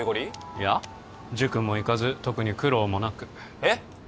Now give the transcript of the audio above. いや塾も行かず特に苦労もなくえっ？